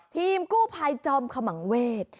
ทีมกู้ภัยจอมขมังเวศ